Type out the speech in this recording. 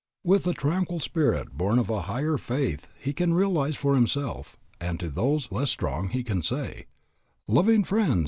With a tranquil spirit born of a higher faith he can realize for himself, and to those less strong he can say "Loving friends!